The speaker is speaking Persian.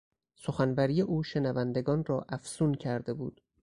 سخنوری او شنوندگان را افسون کرده بود.